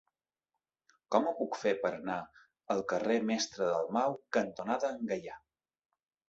Com ho puc fer per anar al carrer Mestre Dalmau cantonada Gaià?